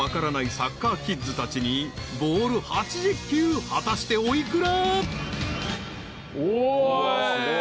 サッカーキッズたちにボール８０球。果たしてお幾ら？］